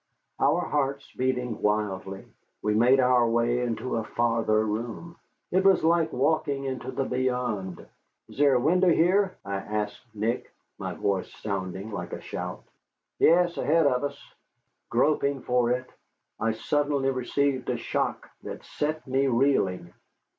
Our hearts beating wildly, we made our way into a farther room. It was like walking into the beyond. "Is there a window here?" I asked Nick, my voice sounding like a shout. "Yes, ahead of us." Groping for it, I suddenly received a shock that set me reeling.